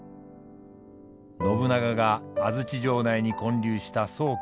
信長が安土城内に建立した見寺。